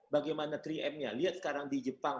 bagaimana tiga m nya lihat sekarang di jepang